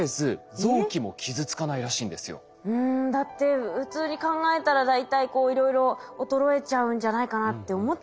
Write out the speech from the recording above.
だって普通に考えたら大体こういろいろ衰えちゃうんじゃないかなって思っちゃいますもんね。